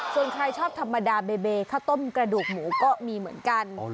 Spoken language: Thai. ส่วนใครชอบธรรมดาเบเบข้าวต้มกระดูกหมูก็มีเหมือนกัน